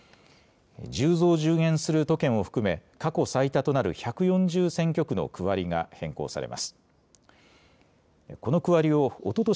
１０増１０減する都県を含め過去最多となる１４０選挙区の区割りが変更されます。